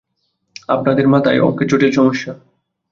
আপনার মাথায় অঙ্কের জটিল সমস্যা।